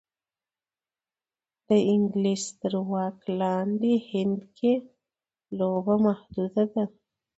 د انګلیس تر واک لاندې هند کې لوبه محدوده ده.